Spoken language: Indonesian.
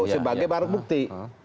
sebagai barang bukti